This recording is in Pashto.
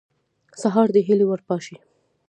سهار د هیلې ور پاشي.